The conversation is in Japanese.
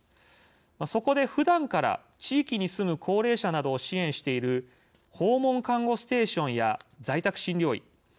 そこでふだんから地域に住む高齢者などを支援している訪問看護ステーションや在宅診療医